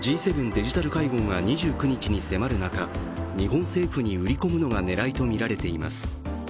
デジタル会合が２９日に迫る中日本政府に売り込むのが狙いとみられています